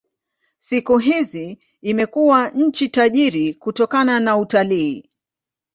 Siku hizi imekuwa nchi tajiri kutokana na utalii.